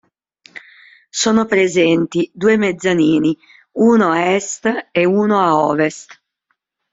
Sono presenti due mezzanini, uno a est e uno a ovest.